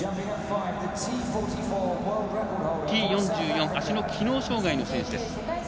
Ｔ４４足の機能障がいの選手です。